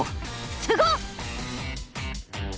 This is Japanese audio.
すごっ！